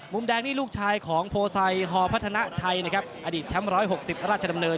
มุมแดงนี่ลูกชายของโพไซฮอพัฒนาชัยนะครับอดีตแชมป์๑๖๐ราชดำเนิน